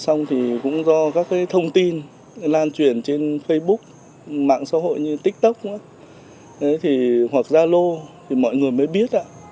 xong thì cũng do các thông tin lan truyền trên facebook mạng xã hội như tiktok hoặc zalo thì mọi người mới biết ạ